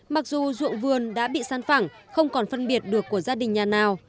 mặc dù dụng vườn đã bị sản phẳng không còn phân biệt được của gia đình nhà nào